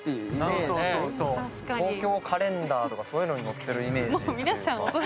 『東京カレンダー』とかそういうのに載ってるイメージ。